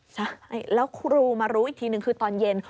ใช่แล้วครูมารู้อีกทีหนึ่งคือตอนเย็น